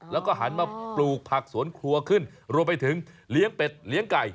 แล้วก็หันมาปลูกผักสวนครัวขึ้นรวมไปถึงเลี้ยงเป็ดเลี้ยงไก่